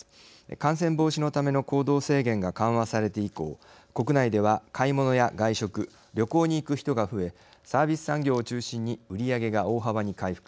感染防止のための行動制限が緩和されて以降国内では買い物や外食旅行に行く人が増えサービス産業を中心に売り上げが大幅に回復。